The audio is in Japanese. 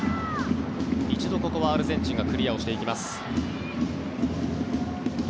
一度ここはアルゼンチンがクリアをしていきます。